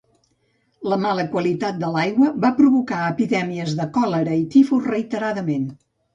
La mala qualitat de l'aigua va provocar epidèmies de còlera i tifus reiteradament.